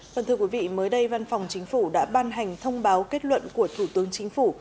phần thưa quý vị mới đây văn phòng chính phủ đã ban hành thông báo kết luận của thủ tướng chính phủ